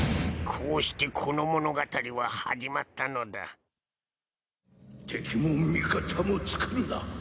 こうしてこの物語は始まったのだ敵も味方もつくるな。